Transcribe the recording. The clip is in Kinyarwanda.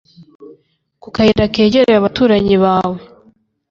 Ku kayira kegereye abaturanyi bawe